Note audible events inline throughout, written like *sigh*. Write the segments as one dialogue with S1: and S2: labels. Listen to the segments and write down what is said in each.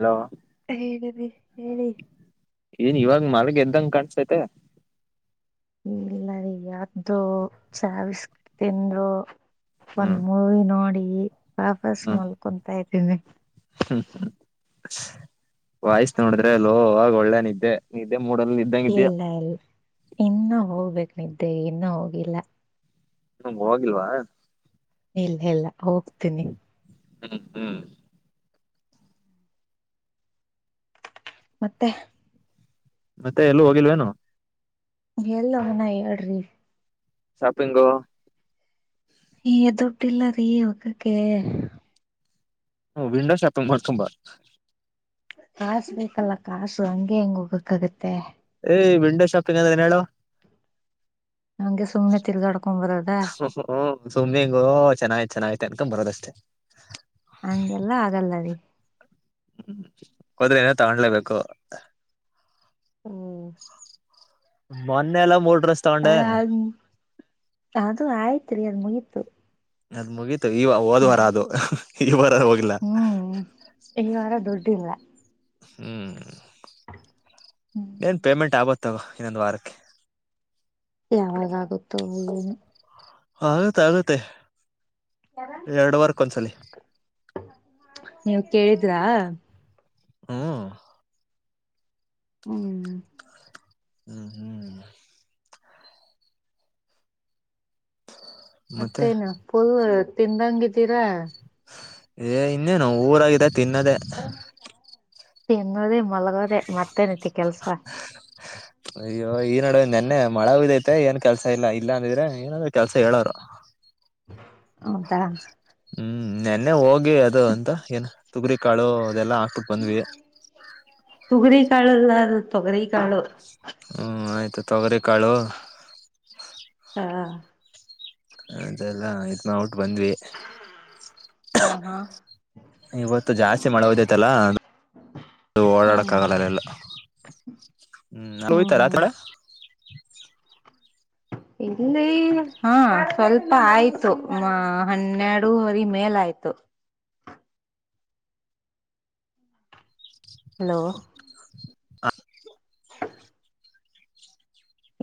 S1: Hello
S2: ಹೇಳರಿ ಹೇಳಿ
S1: ಏನ್ ಇವಾಗ ಮಲ್ಗ ಎದ್ದಂಗ ಕಾಣಸತೈತೆ
S2: ಇಲ್ಲ ರೀ ಯಾವ್ದೂ ಚಾವಿಸಕ್ ತಿಂದರು
S1: ಹ್ಮ್
S2: ಒಂದ್ ಮೂವಿ ನೋಡಿ ಹ್ಮ ವಾಪಸ್
S1: ಹ್ಮ್
S2: ಮಲ್ಕ ಕುಂತಯ್ತ *unintelligible*
S1: ವಾಯ್ಸ್ ನೋಡಿದ್ರೆ ಲೊ ಅಗ ಒಳ್ಳೆ ನಿದ್ದೆ ನಿದ್ದೆ ಮೂಡಲ್ಲಿ ಇದ್ದಂಗಿದ್ಯಾ
S2: ಇಲ್ಲ ಇಲ್ಲ ಇನ್ನ ಹೋಗ್ಬೇಕು ನಿದ್ದೆ ಇನ್ನೂ ಹೋಗಿಲ್ಲ
S1: ಹ ಹೋಗಿಲ್ವಾ
S2: ಇಲ್ಲ ಇಲ್ಲ ಹೋಗ್ತೀನಿ
S1: ಹ್ಮ್ ಹ್ಮ್ ಹ್ಮ್
S2: ಮತ್ತೆ
S1: ಮತ್ತೆ ಎಲ್ಲೂ ಹೋಗಿಲ್ವೇನು
S2: ಎಲ್ಲ ಹನ ಹೇಳ್ರಿ
S1: ಶಾಪಿಂಗು
S2: ನೀ ಎದುಡ್ಡಿಲ್ಲ ರೀ ಒಗಕ್ಕೆ
S1: ಹ ವಿಂಡೋ ಶಾಪಿಂಗ್ ಮಾಡ್ಕೊಂಡ್ ಬಾ
S2: ಕಾಸ್ ಬೇಕಲ್ಲ ಕಾಸು ಹಂಗೆ ಹೆಂಗ್ ಹೋಗಕ್ಕಾಗುತ್ತೆ
S1: ಏ ವಿಂಡೋ ಶಾಪಿಂಗ್ ಅಂದ ಏನು ಹೇಳು
S2: ಹಂಗೆ ಸುಮ್ನೆ ತಿರ್ಗಾಡ್ಕೊಂಡ್ ಬರೋದ
S1: ಹ ಸುಮ್ಮಿಂಗ ಚೆನ್ನಾಗಿ್ತ ಚೆನ್ನತ *unintelligible* ತೆಕ್ಕ್ಕ್ಮ ಂ ಬರೋದಷ್ಟೇ
S2: ಹಂಗೆಲ್ಲ ಆಗಲ್ಲ ರೀ
S1: ಹೋದ್ರೆ ಏನೋ ತಗೊಂಡ್ಲೇಬೇಕು
S2: ಹ್ಮ್
S1: ಮೊನ್ನೆ ಎಲ್ಲಾ ಮೂರ್ಡ್
S2: ಅ ಹ ಹದು ಆಯ *unintelligible* ತಿರಿಯದ ಮುಗೀತು
S1: ಅದ್ ಮುಗಿ ತಗಿ ಅವು ಹೊದ್ವರಾ ಅದು ಇವತ್
S2: ಹ್ಮ್ ಈ ವಾರ ದುಡ್ಡಿಲ್ಲ
S1: ಹ್ಮ್ ಏನ್ ಪೇಮೆಂಟ್ ಆಗತ್ತವ ಇನ್ನೊಂದು್ ವಾರಕ್ಕೆ
S2: ಯಾವಾಗಾಗುತ್ತೋ ಏನು
S1: ಆಗುತ್ತೆ ಆಗತ್ತೆ ಎರಡು ವಾರಕ್ಕ ಒಂದ್ಸಲಿ
S2: ಇದಾ
S1: ಹ್ಮ
S2: ಹ್ಮ್
S1: *unintelligible* ಮತ್ತೆ
S2: ಮತ್ತೇನು ಪೋಲ್ *unintelligible* ತಿಂದಂಗಿದ್ದೀರಾ
S1: ಏ ಇನ್ನೇನು ಊರಾಗಿದೆ ತಿನ್ನದೇ
S2: ತಿನ್ನದೇ ಮ್ ಮಲಗೋದೆೇ ಮತ್ತೇನಿತಿ ಕೆಲ್ಸ
S1: ಅಯ್ಯೋ ಈ ನೋಡ ನೆನ್ನೆ ಮಳಗ್ೈತೆ ಏನ್ ಕೆಲ್ಸ ಇಲ್ಲ ಇಲ್ಲ ಅಂದಿದ್ರೆ ಏನಾದ್ರೆ ಕೆಲ್ಸ ಹೇಳೋರು
S2: ಹೌದಾ
S1: ಹ್ಮ್ ನೆನ್ನೆ ಹೋಗ್ ಗೇ ಅದು ಅಂತ ಏನು ತುಗರಿ ಕಾಳು ಅದೆಲ್ಲ
S2: ತೊಗರಿ ಕಾಳು ಅಲ್ಲ ಅದು ತೊಗರಿ ಕಾಳು
S1: ಹ್ಮ ಆಯ್ತು ತೊಗರಿ ಕಾಳು
S2: ಹಾ
S1: ಅದೆಲ್ಲ ಇ ನ ಔಟ್ ಬಂದ್ವಿ
S2: ಹ ಹಾ
S1: ಇವತ್ತು ಜಾಸ್ತಿ ಮಳೆ ಹಓದೈತಲ್ಲ
S2: ಹ್ಮ್
S1: ಓಡಾಡಕ್ಕ ಆಗಲ್ಲಲ್ಲ ಎಲ್ಲ
S2: ಹ್ಮ್
S1: ಹ್ಮೋಯ್ತ
S2: ಹ್ಮ್
S1: ರಾತ್ರಿ *inaudible*
S2: ಇಲ್ಲಿ ಹಾ ಸ್ವಲ್ಪ ಆಯ್ತು ಮ ಹನ್ನೆರಡುವರಿ ಮೇಲ ಆಯ್ತು ಹಲೋ
S1: ಹ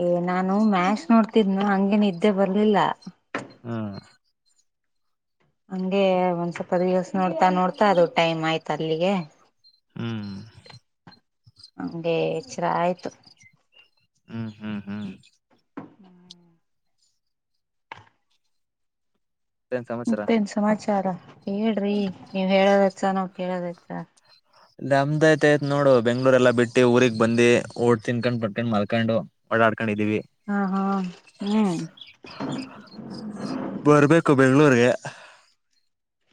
S2: ಏ ನಾನು ಮ್ಯಾಚ್ ನೋಡ್ತಿದ್ನ ಹಂಗಗೆನಿದ್ದೆ ಬರ್ಲಿಲ್ಲ
S1: ಹ್ಮ
S2: ಹಂಗೆ ಒಂದ್ ಸ್ವಲ್ಪ ದಿವಸ ನೋಡ್ತಾ ನೋಡ್ತಾ ಅದು ಟೈಮ್ ಆಯ್ತು ಅಲ್ಲಿಗೆ
S1: ಹ್ಮ್
S2: ಹಗೆ ಎ ಚರ ಆಯ್ತು
S1: ಹ್ಮ್ ಹ್ಮ್ ಹ್ಮ್ ಮತ್ತೇನ್ ಸಮಾಚಾರ
S2: ಮತ್ತೇನ್ ಸಮಾಚಾರ ಹೇಳ್ರಿ ನೀವ್ ಹೇಳೋದಚ್ಚ ನಾವ್ ಕೇಳೋದಚ್ಚ
S1: ನಮ್ದಯ್ತ ಆಯ್ತ್ ನೋಡು ಬೆಂಗ್ಳೂರ್ ಎಲ್ಲಾ ಬಿಟ್ಟು ಊರಿಗೆಗ್ ಬಂದಿ ಓಡ್ ತಿನ್ಕೊಂಡ್ ಬರ್ಕೊಂಡ್ ಮಲ್ಕೊಂಡು ಓಡಾಡ್ಕೊಂಡಿದೀವಿ
S2: ಹಾ ಹಾ ಹ್ಮ್
S1: ತೆ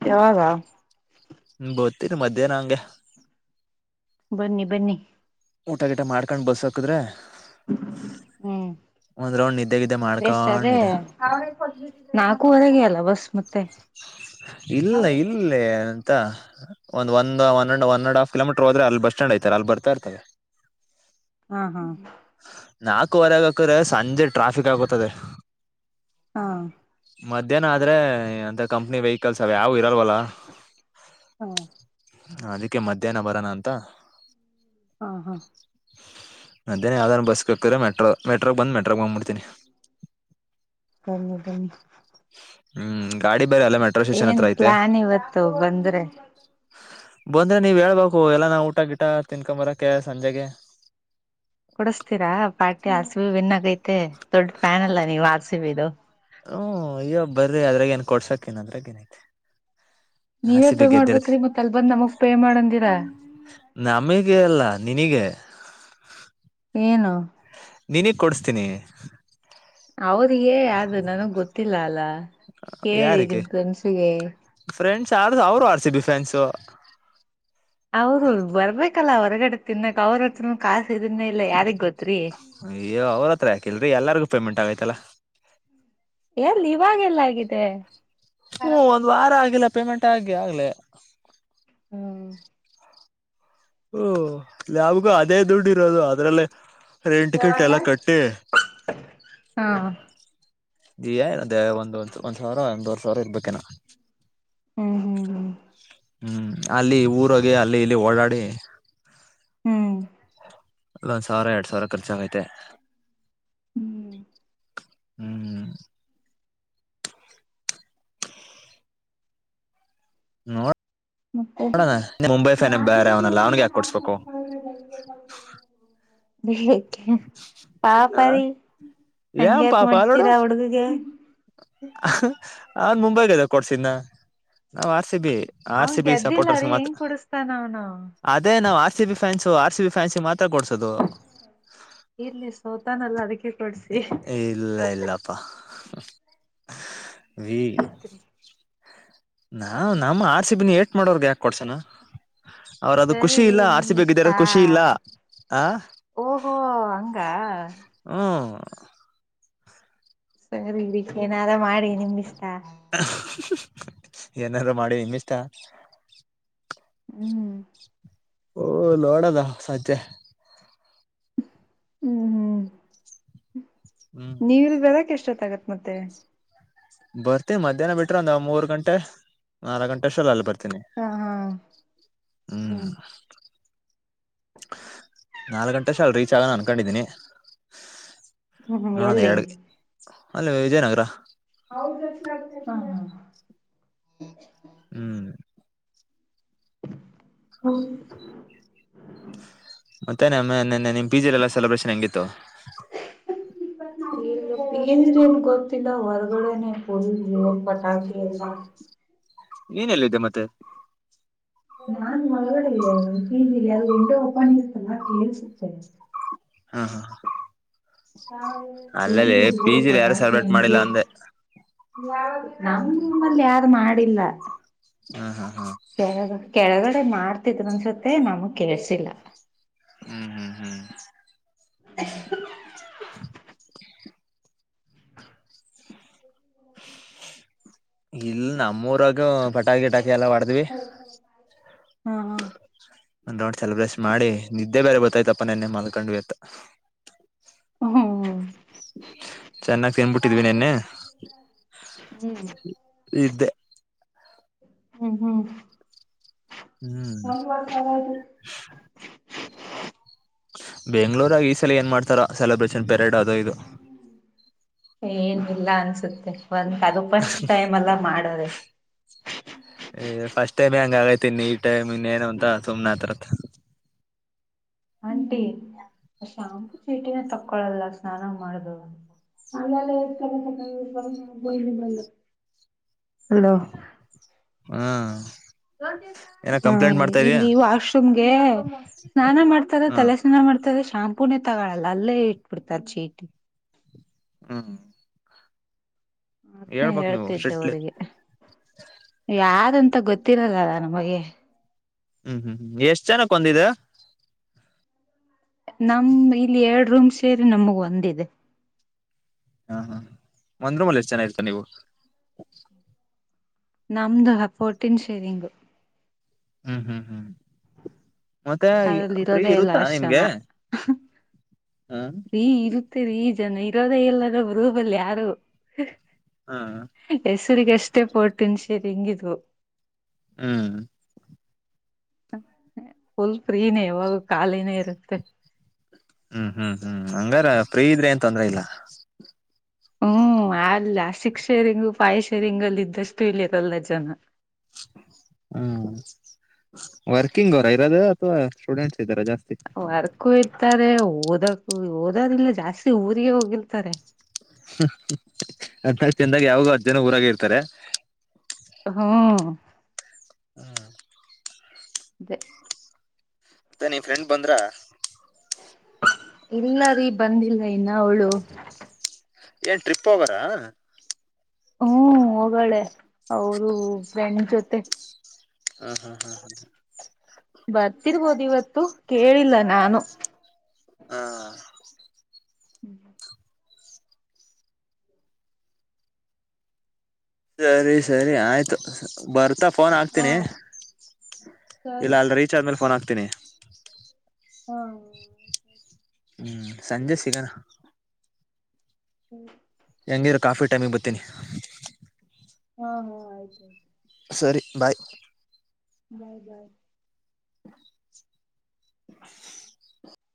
S2: ಯಾವಾಗ
S1: ಹ್ಮ ಬೊತೀರಿ ಮಧ್ಯಾಹ್ನ ಹಂಗೆ
S2: ಬನ್ನಿ ಬನ್ನಿ
S1: ಊಟ ಗಿಟ ಮಾಡ್ಕೊಂಡ್ ಬಸ್ ಹಾಕದ್ರೆ
S2: ಹ್ಮ್
S1: ಒಂದ್ ರೌಂಡ್ ನಿದ್ದೆ ಗಿದ್ದೆ
S2: ಬೆಷ್ಟ ಅದೇ
S1: ಮಾಡ್ಕೊಂಡಿದೆ
S2: ನಾಲ್ಕೂ ಹೊರೆಗೆ ಅಲ್ಲ ಬಸ್ ಮತ್ತೆ ಹಾ
S1: ಇಲ್ಲ ಇಲ್ಲೇ ಒಂದ್ ಒಂದ್ ಒ್ ಒ ಅಂಡ್ ಹಫ್ ಕಿಲೋಮೀಟರ್ ಹೋದ್ರೆ ಅಲ್ಲಿ ಬಸ್ ಸ್ಟ್ಯಾಂಡ್ ಐತಾರೆ ಅಲ್ಲಿ ಬರ್ತಾ ಇರ್ತಾರೆ
S2: ಹಾ ಹಾ
S1: ನಾಲ್ಕುವರೆಗಕ್ರೆ ಸಂಜೆ ಟ್ರಾಫಿಕ್ ಆಗತದೆ
S2: ಹಾ
S1: ಮಧ್ಯಾಹ್ನ ಆದ್ರೆ ಅಂತ ಕಂಪ್ಿ ವೈ ಕೆಲ್ಸಾವ ಯಾವ ಇರಲ್ವಲ್ಲ
S2: ಹಾ
S1: ಅದಕ್ಕೆ ಮಧ್ಯಾಹ್ನ ಬರಣ ಅಂತ
S2: ಹಾ ಹಾ
S1: ನಂತೇನೆ ಯಾವ್ದಾರ ಬಸ್ ಕಕಿದ್ರೆ ಮೆಟ್ರೋ ಮೆಟ್ರಗೆ ಬಂದು ಮೆಟ್ರೋಗೆ ಹೋಗ್ಬಿಡ್ತೀನಿ
S2: ಸರಿ ಬನ್ನಿ
S1: ಹ್ಮ್ ಗಾಡಿ ಬೇರೆ ಅಲ್ಲ ಮೆಟ್ರೋ ಸ್ಟೇಷನ್
S2: ಏನ್
S1: ಹತ್ರ ಐತೆ
S2: ಪ್ಲಾನ್ ಇವತ್ತು ಬಂದ್ರೆ
S1: ಬಂದ್ರೆ ನೀವ್ ಹೇಳ್ಬೇಕು ಎಲ್ಲ ನಾ ಊಟ ಗಿಟ ತಿನ್ಕೊಂಬರಕ್ಕೆ ಸಂಜೆಗೆ
S2: ಕೊಡಸ್ತೀರಾ ಪಾರ್ಟಿ ಅರ್ಸಿವಿ ವಿನ್ ಆಗೈತೆ ದೊಡ್ ಪ್ಯಾನಲ್ಲ್ಲ ನೀವ್ ಸಿವಿಡು
S1: ಹ್ಮ್ ಅಯ್ಯೋ ಬರ್ರಿ ಅದ್ರಾಗ ಏನ್ ಕೊಡ್ಸಾಕ ನ್ ಅದ್ರಾಗ ಏನೈತೆ
S2: ನೀವೇ ಪೇ ಮಾಡ್ಬೇಕ್ರಿ ಮತ್ತ್ ಅಲ್ ಬಂದ್ ನಮಗ್ ಪೇ ಮಾಡಂದಿರ
S1: ನಿನಿಗೆ
S2: ಏನು
S1: ನೀನಗ ಕೊಡ್ಸ್ತೀನಿ
S2: ಹೌದು ಹೆ ಅದು ನನಗ್ ಗೊತ್ತಿಲ್ಲ ಅಲ್ಲ *unintelligible* ಕೇಳಿ
S1: ಯಾರಿಗೆ
S2: ನಿಮ ಫ್ರೆಂಡ್ಸಗೆ
S1: ಫ್ರೆಂಡ್ಸ್ ಆರ್ ಅವರು ಆರ್ಸಿಬಿ ಫ್ರ್ಯಾನ್ಸ್
S2: ಅವ್ರು ಬರ್ಬೇಕಲ್ಲ ಹೊರಗಡೆ ತಿನ್ನಕ್ ಅವ್ರ ಹತ್ರನು ಕಾಸು ಇದನ್ನೇ ಇಲ್ಲ ಯಾರಿಗ್ ಗೊತ್ತ
S1: ಅಯ್ಯೋ ಅವ್ರ ಹತ್ರ ಯಾಕಿಲ್ರರಿ ಎಲ್ಲರಿಗು ಪೇಮೆಂಟ್ ಆಗೈತಿ *unintelligible*
S2: ಎಲ್ಲಿ ಇವಾಗೆಲ್ಲ ಆಗಿದೆ
S1: ಹ್ಮ್ ಒಂದ್ ವಾರ ಆಗಿಲ್ಲ ಪೇಮೆಂಟ್ ಆಗಿ ಆಗಲೇ
S2: ಹ್ಮ
S1: ಓ ಯಾವಗೂ ಅದೇ ದುಡ್ಡು ಇರೋದು ಅದ್ರಲ್ಲೇ ರೆಂಟ್ ಗಿಂಟ
S2: ಯಾವಾಗ್ಲ
S1: ಎಲೣ ಕಟ್ಟಿ
S2: ಹಾ
S1: ಹೇಳ್ ಅದೆ ಒಂದ ಒಂದ್ಸ ಸಾವಿರ ಒಂದವರ ಸಾ ಸಾವರ ಇರ್ಬೇಕನ್
S2: ಹ್ಮ್ ಹ್ಮ್ ಹ್ಮ
S1: ಹ್ಮ್ ಅಲ್ಲಿ ಊರೋಗಿ ಅಲ್ಲಿ ಇಲ್ಲಿ ಓಡಾಡಿ
S2: ಹ್ಮ್
S1: ಅಲ್ಲ ಒಂದ್ ಸಾವಿರ ಎರಡ್ ಸಾವಿರ ಖರ್ಚಾಗೈತೆ
S2: ಹ್ಮ್
S1: ಹ್ಮ್ ನೋಡ್
S2: ಮತ್ತೆ *unintelligible*
S1: ಬೇರೆ ಅವನಲ್ಲ ಅವ್ನಿಗೆ ಯಾಕೆ ಕೊಡ್ಸ್ಬೇಕು
S2: *unintelligible*
S1: ಹ
S2: ಪಾಪರಿೀ
S1: ಏನ್
S2: ಹಂಗ್ಯಾಕ
S1: ಪಾಪ ನೋಡು
S2: ಮಾಡ್ತೀರಾ ಹುಡುಗಗೆ
S1: ಅವ್ ಮುಂಬೈ ಗೆದ್ದಾಗ ಕೊಡ್ಸಿದ ನಾವ್ ಆ ಸಿ ಬಿ ಆರ್
S2: ಅವನ್
S1: ಸಿ ಬಿ
S2: ಗೆದ್ದಿಲ್ಲ
S1: ಸಪೋರ್ಟರ್ಸ್
S2: ರೀ
S1: ಮಾತ್ರ
S2: ಹೆಂಗ್ ಕುಡಸ್ತಾನ ಅವನು
S1: ಅದೇ ನಾವು R C B fans R C B ಫ್ಯಾನ್ಸಿ ಮಾತ್ರ ಕೊಡ್ಸೋದು
S2: ಇರ್ಲಿ ಸೋತಾನಲ್ಲ ಅದಕ್ಕೆ ಕೊಡ್ಸಿ
S1: ಇಲ್ಲ ಇಲ್ಲಪ್ಪಾ ಹ ವಿ ನಾ ನಮ್ಮ ಆರ್ ಸಿಬಿನ ಏಟ್ ಮಾಡೋರ್ಗ್ ಯಾಕ ಕೊಡ್ಸನ ಅವ್ರ ಅದು ಖುಷಿ
S2: ಸರಿರಿ
S1: ಇಲ್ಲ
S2: ನಿಮ್ ಇಷ್ಟ
S1: ಆರ್ರಿಸಿಬೇಕಿದ್ದರ ಖುಷಿ ಇಲ್ಲ ಆ
S2: ಓಹೋ ಹಂಗ
S1: ಹ್ಮ
S2: ಸ್ರಕ್ಕೆ ಏನಾರ ಮಾಡಿ ನಿಮ್ಗ ಇಷ್ಟ
S1: ಏನಾರರು ಮಾಡಿ ನಿಮ್ಮಿಷ್ಟ
S2: ಹ್ಮ್
S1: ಓ ನೋಡದ ಸಂಜೆ
S2: ಹ್ಮ್ ಹ್ಮ್
S1: ಹ್ಮ್
S2: ನೀವಲ್ ಬರಕ್ ಎಷ್ಟೊತ್ತ ಆಗತ್ತೆ ಮತ್ತೆ
S1: ಬರ್ತಿ ಮಧ್ಯಾಹ್ನ ಬಿಟ್ರೆ ಒಂದ ಮೂರ್ ಗಂಟೆ ನಾಕ ಗಂಟೆಷ್ಟ ಅಲ್ ಬರ್ತಿ
S2: ಹ ಹಾ ಹ್ಮ್
S1: ನಾಲ್ ಗಂಟೆ ಶ ಅಲ್ ರೀಚ್ ಆಗೋಣ ಅನ್ಕೊಂಡಿದೀನಿ
S2: ಹ್ಮ್ ಹ್ಮ್
S1: ನೋಡಣ
S2: ಎಲ್ಲಿ
S1: ಎರಡುಗೆ ಅಲ್ಲಿ ವಿಜಯನಗರ
S2: ಹೌದಷ್ಟಗ್ತ ಹಾ
S1: ಹ್ಮ್
S2: ಹೌ
S1: ಮತ್ತೆ ನಮ್ಮನ್ನೆ ನಿಮ್ಮ ಪಿ ಜಿ ಎಲ್ಲಾ ಸೆಲೆಬ್ರೇಷನ್ ಹೆಂಗಿತ್ತು
S2: *unintelligible* *unintelligible* ಈನ ನ್ ಗೊತ್ತ ಎಲ್ಲ ಹೊರ್ಗಡೆನೆ ಪುಲ್ ಜ ಪಟಾಕಿ ಎಲ್ಲ
S1: ನೀಏನಲ್ಲಿದ್ದೆ ಮತ್ತೆ
S2: ನಾನ್ ಒಳಗಡೆಿ ಅದು ಎಂಟು ಒಓಪನ್ಿಸಲ್ಲಾ ಕೇಳಸುತ್ತೇನೆ
S1: ಹಾ ಹಾ ಅಲ್ಲಲ್ಲಿ
S2: ಒಣಂದು
S1: ಪಿ
S2: ಜೋರು
S1: ಜಿಲಿ ಯಾರು ಸೆಲೆಬ್ರೇಟ್ ಮಾಡಿಲ್ಲ
S2: ಪಟಾಕಗೆ
S1: ಅಂದೆ
S2: ನಾ್ ನಿಮ್ಮಲ್ಲಿ ಯಾರು ಮಾಡಿಲ್ಲ
S1: ಹಾ ಹಾ ಹಾ
S2: ಕೆಳ ಕೆಳಗಡೆ ಮಾಡ್ತ ನ್ಸತ್ತೆ ನಮಗ್ ಕೇಳ್ಸಿಲ್ಲ
S1: ಹ್ಮ್ ಹ್ಮ್ ಹ್ಮ್
S2: *inaudible*
S1: *inaudible* *inaudible* ಇಲ್ ನಮ್ಮೂರಾಗ ಪಟಾಕಿ ಗಿಟಾಕಿ ಎಲ್ಲಾ ಹೊಡೆದ್ವಿ
S2: ಹಾ ಹಾ
S1: *unintelligible* ಸೆಲೆಬ್ರೇಸ್ ಮಾಡಿ ನಿದ್ದೆ ಬೇರೆ ಬತ್ತಾಯ್ತಾ ನೆನ್ನೆ ಮಲ್ಕೊಂಡ್ವಿ ಅಂತ
S2: ಹ್ಮ್
S1: *inaudible* ಚೆನ್ನಾಗಿ ತಿನ್ಬಿಟ್ಟಿದ್ವಿ ನೆನ್ನೆ
S2: ಊಮ್
S1: ಇದ್ದೆ
S2: ಹ ಹ
S1: ಹ್ಮ್
S2: ಒಂದ್ ವರ್ಷ ಆಗೋಯ್ತು
S1: ಬೆಂಗ್ಳೂರಾಗಿ ಈ ಸಲ ಏನ್ ಮಾಡ್ತಾರೋ ಸೆಲೆಬ್ರೇಷನ್ ಪೆರೇಡ್ ಅದು ಇದು
S2: ಏನ್ ಇಲ್ಲಾ ಅನ್ಸುತ್ತೆ ಒಂದ್ ಅದು ಫಸ್ಟ್ ಟೈಮ್ ಅಲ್ಲ ಮಾಡವ್ರೆ
S1: ಈ
S2: *unintelligible*
S1: ಟೈಮೇ ಅಂಗಾಗೈತ್ ಇನ್ನ ಈ ಟೈಮ ಇನ್ ಏನು ಅಂತ ಸುಮ್ನೆ ಆಗ್ತಾರಾ
S2: ಆಂಟಿ ಆ ಶಾಂಪೂ ಚೀಟಿನ ತಕ್ಕೊಳಲ್ಲ ಸ್ನಾನ ಮಾಡೋದು ಅಲ್ಲಲೇ ಯೆಸ್ಟ್ರರಿ ತಖಂಡಿ ಬೋಯ್ಲಿ ಬಿಡು ಅಂಗಾರೆ ಹಲೋ
S1: ಹಾ
S2: ಜ್ಯೋತಿ ಅಕ್ಕ ಹಾ ಇಲ್ಲಿ ವಾಶ್ರೂಮ್ಗೆ ಸ್ನಾನ ಮಾಡ್ತಾರ ತಲೆ ಸ್ನಾನ ಮಾಡ್ತರೆ ಶಾಂಪೂನೇ ತಗೊಳಲ್ಲ ಅಲ್ಲೇ ಇಟ್ಬಿಡ್ತಾರೆ ಚೀಟಿ
S1: ಹುಮ್
S2: ಮಾತ್ನೇ
S1: ಸ್ಟ್ರಿಕ್ಟ್ಲಿ
S2: ಹೇಳ್ತಿದ್ದೆವರಿಗೆ ಯಾಕ್‌‌ ಇದಂತ ಗೊತ್ತಿರಲಲ್ಲ ನಮಗೆ
S1: ಹ್ಮ್ ಹ್ಮ್ ಹ್ಮ್ ಎಷ್ಟ್ ಜನಕ್ ಒಂದಿದೆ
S2: ನಮ್ ಇಲ್ಲಿ ಎರಡು ರೂಮ್ ಸೇರಿ ನಮಗ್ ಒಂದಿದೆ
S1: ಹಾ ಹಾ ಒಂದ್ರೂಮಲ್ ಎಷ್ಟು ಜನ ಇರ್ತೀರ್ ನೀವು
S2: ನಮ್ದು ಪೋರ್ಟಿಂನಾ ಸೇರಿಂಗ್
S1: ಹ್ಮ್ ಹ್ಮ್ ಹ್ಮ್ ಮತ್ತೆ
S2: ಅದ್ರಲ್ಲಿ
S1: ಫ್ರೀ
S2: ಇರೋದೇ ಎಲ್ಲಾ
S1: ಇರುತ್ತಾ
S2: ಅಷ್ಟ್
S1: ನಿಮ್ಗೆ
S2: ಜನ
S1: ಹ್ಮ್
S2: ಫ್ರೀ ಇರುತ್ತೆ ರೀ ಜನ ಇರೋದೇ ಇಲ್ಲದ ರೂಮಲ್ಲಿ ಯಾರು
S1: ಹಾ
S2: ರಿಗೆ ಎಷ್ಟೇ ಫೋರ್ಟೀನ್ ಶೇರಿಂಗ್ದ್ವೋ
S1: ಹೂಂ
S2: ಫುಲ್ ಫ್ರೀನೇ ಯಾವಾಗು ಖಾಲಿನೇ ಇರುತ್ತೆ.
S1: ಹ್ಮ್ ಹ್ಮ್ಮ್ ಹಂಗಾರ ಫ್ರೀ ಇದ್ರೇನ್ ತೊಂದ್ರೆ ಇಲ್ಲ.
S2: ಹ್ಮ್ ಅಲ್ಲಿ ಲಾಸ್ಟಿಗ ಶೇರಿಂಗು ಪಾಯ ಶೇರಿಂಗ್ ಅಲ್ಲಿ ಇದ್ದಷ್ಟು ಇಲ್ಲಿರಲ್ಲ ಜನ
S1: ಹ್ಮ ವರ್ಕಿಂಗ್ ಅವರ ಇರೋದ ಅಥವಾ ಸ್ಟೂಡೆಂಟ್ಸ್ ಇದಾರ ಜಾಸ್ತಿ
S2: ತಾರೆ ಓದಕ ಓದರಿಲ್ಲ ಜಾಸ್ತಿ ಊರಿಗೆ ಹೋಗಿಲ್ತಾರೆ
S1: ಹದಿನಾಲ್ಕು ಜನದಾಗ ಯಾವಾಗು ಹತ್ತು ಜನ ಊರಾಗ ಇರ್ತಾರೆ
S2: ಹ್ಮ್
S1: *unintelligible*
S2: ದ್ *unintelligible*
S1: ಮತ್ತ ನೀ ಫ್ರೆಂಡ್ ಬಂದ್ರ
S2: ಇಲ್ಲ ರೀ ಬಂದಿಲ್ಲ ಇನ್ನ ಅವಳು
S1: ಏನ್ ಟ್ರಿಪ್ ಹೋಗಾರ
S2: ಹ್ಮ್ ಹೋಗಾಳೆ ಅವರು ಫ್ರೆಂಡ್ ಜೊತೆ
S1: ಹ್ಮ್ ಹ್ಮ್ ಹ್ಮ್ ಹ್ಮ್ ಹ
S2: ಬರ್ತಿರ್ಬೋದು ಇವತ್ ಇತ್ತು ಕೇಳಿಲ್ಲ ನಾನು
S1: ಹಾ
S2: ಹ್ಮ್
S1: ಸರಿ ಸರಿ ಆಯ್ತು ಬರ್ ಇಂತ ಫೋನ್
S2: ಹಾ
S1: ಹಾಕ್ತೀನಿ
S2: ಸರಿ
S1: ಇಲ್ಲ ಅಲ್ ರೀಚಾರ್ಜ್ ಮೇಲೆ ಫೋನ್ ಹಾಕ್ತ ತ್ತನ
S2: ಹ್ಮ
S1: ಹ್ಮ್ ಸಂಜೆ ಸಿಗಣ
S2: ಹ್ಮ್
S1: ಹೆಂಗಿದ ಕಾಫಿ ಟೈಮಿಗೆ ಬರ್ತೀನಿ
S2: ಆಯ್ತು
S1: ಸರಿ ಬಾಯ್
S2: ಬಾಯ್ ಬಾಯ್